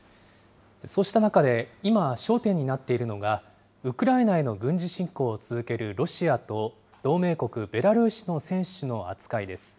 そうした中で、今焦点になっているのが、ウクライナへの軍事侵攻を続けるロシアと同盟国、ベラルーシの選手の扱いです。